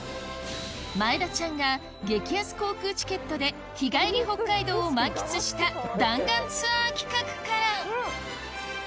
前田ちゃんが激安航空チケットで日帰り北海道を満喫したあぁ！